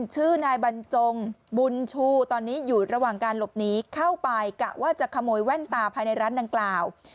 ชื่อนายบรรจงบุญชูตอนนี้อยู่ระหว่างการหลบหนีเข้าไปกะว่าจะขโมยแว่นตาภายในร้านดังกล่าว